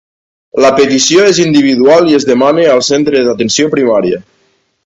La petició és individual i es demana al centre d'atenció primària.